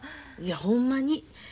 いやほんまに。